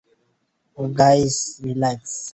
Guys, relax.